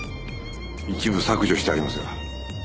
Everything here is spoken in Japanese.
一部削除してありますが。